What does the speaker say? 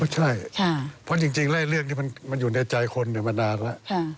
ใช่เพราะจริงแล้วเรื่องนี้มันอยู่ในใจคนมานานแล้ว